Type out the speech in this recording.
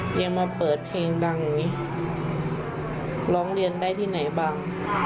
ตำรวจขับผ่าน